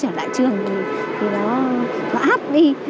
nhà trường băn khoăn